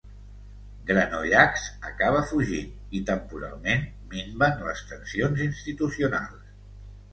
Granollacs acabà fugint i, temporalment, minven les tensions institucionals.